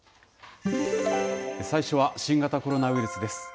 最初は新型コロナウイルスです。